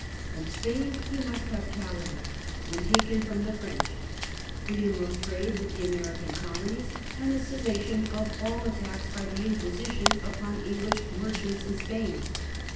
From Spain he must have Calais, when taken from the French, freedom of trade with the American colonies, and a cessation of all attacks by the Inquisition upon English merchants in Spain.